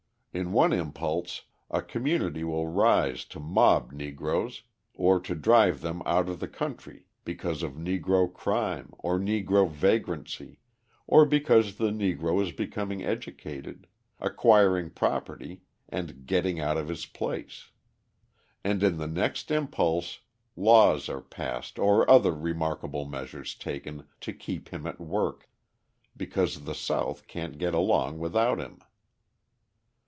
In one impulse a community will rise to mob Negroes or to drive them out of the country because of Negro crime or Negro vagrancy, or because the Negro is becoming educated, acquiring property and "getting out of his place"; and in the next impulse laws are passed or other remarkable measures taken to keep him at work because the South can't get along without him.